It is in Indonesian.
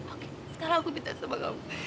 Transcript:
oke sekarang aku minta sama kamu